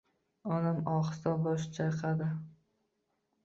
Onam ohista bosh chayqadi.